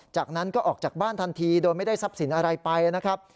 จากนั้นก็ออกจากบ้านทันทีโดยไม่ได้ทรัพย์สินอะไรไปนะครับ